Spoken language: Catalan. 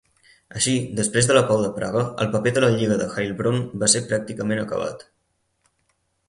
Així, després de la Pau de Praga, el paper de la Lliga de Heilbronn va ser pràcticament acabat.